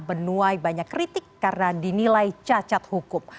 menuai banyak kritik karena dinilai cacat hukum